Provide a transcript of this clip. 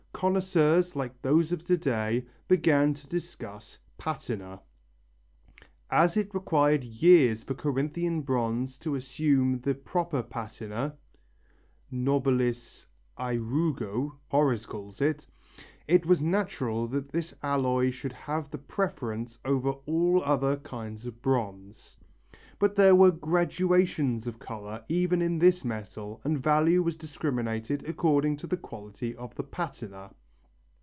Connoisseurs, like those of to day, began to discuss patina. As it required years for Corinthian bronze to assume the proper patina Nobilis ærugo, Horace calls it it was natural that this alloy should have the preference over all other kinds of bronze. But there were gradations of colour even in this metal and value was discriminated according to the quality of the patina.